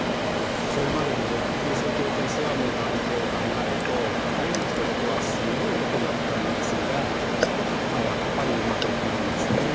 これまでのねキリスト教とイスラームの関係を考えると２人のしたことはすごいことだったんですがやっぱりうまくいかないんですね。